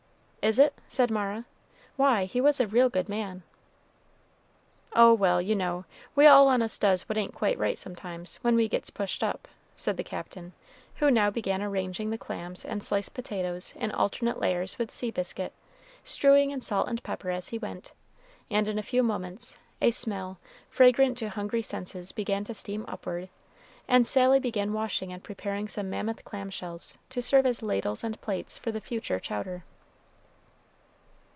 "Is it?" said Mara; "why, he was a real good man." "Oh, well, you know, we all on us does what ain't quite right sometimes, when we gets pushed up," said the Captain, who now began arranging the clams and sliced potatoes in alternate layers with sea biscuit, strewing in salt and pepper as he went on; and, in a few moments, a smell, fragrant to hungry senses, began to steam upward, and Sally began washing and preparing some mammoth clam shells, to serve as ladles and plates for the future chowder.